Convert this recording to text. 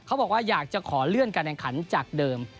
เขาบอกว่าอยากจะขอเลื่อนการแข่งขันจากเดิม